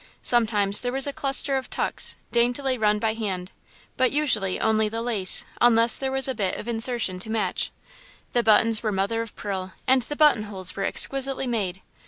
Sometimes there was a cluster of tucks, daintily run by hand, but, usually, only the lace, unless there was a bit of insertion to match. The buttons were mother of pearl, and the button holes were exquisitely made.